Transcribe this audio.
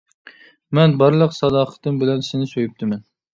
مەن بارلىق ساداقىتىم بىلەن سېنى سۆيۈپتىمەن.